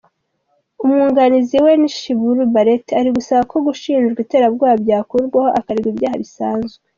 Umwunganizi we Shibiru Belete ari gusaba ko gushinjwa iterabwoba byakurwaho akaregwa ibyaha bisanzwe.